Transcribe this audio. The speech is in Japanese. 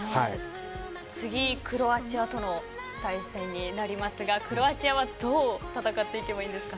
次、クロアチアとの対戦になりますがクロアチアはどう戦っていけばいいですか？